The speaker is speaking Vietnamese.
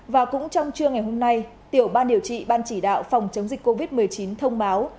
và cũng trong trưa ngày hôm nay tiểu ban điều trị ban chỉ đạo phòng chống dịch covid một mươi chín thông báo